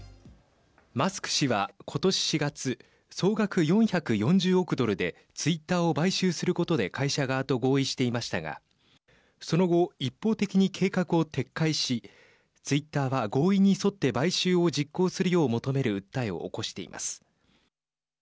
マスク氏は、今年４月総額４４０億ドルでツイッターを買収することで会社側と合意していましたがその後、一方的に計画を撤回しツイッターは合意に沿って買収を実行するよう求める訴えを起こしています。